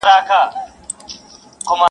بشري حقونه دا پېښه غندي او نيوکي کوي سخت,